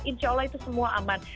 insya allah itu semua aman